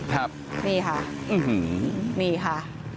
ครับอื้อฮืออื้อฮือนี่ค่ะ